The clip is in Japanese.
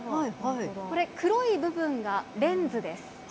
これ、黒い部分がレンズです。